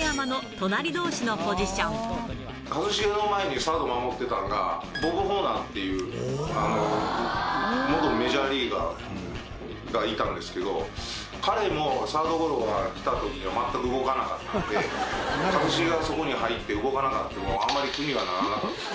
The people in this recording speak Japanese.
ヤクルト時代はサード、長嶋、ショート、一茂の前にサード守ってたのが、ボブ・ホーナーっていう、元メジャーリーガーがいたんですけど、彼もサードゴロが来たときに全く動かなかったんで、一茂がそこに入って動かなかっても、あんまり気にはならなかったですね。